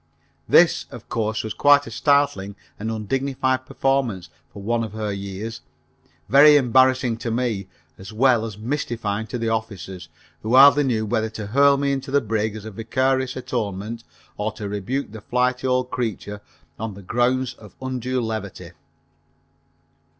This, of course, was quite a startling and undignified performance for one of her years, very embarrassing to me, as well as mystifying to the officers, who hardly knew whether to hurl me into the brig as vicarious atonement or to rebuke the flighty old creature, on the grounds of undue levity.